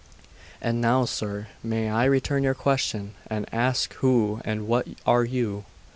And now, sir, may I return your question, and ask who and what are you?